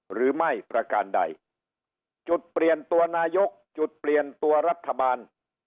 หรือไม่ประการใดจุดเปลี่ยนตัวนายกจุดเปลี่ยนตัวรัฐบาล